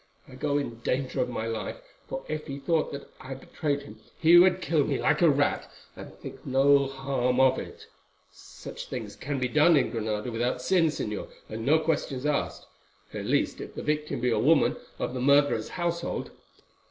I go in danger of my life, for if he thought that I betrayed him he would kill me like a rat, and think no harm of it. Such things can be done in Granada without sin, Señor, and no questions asked—at least if the victim be a woman of the murderer's household.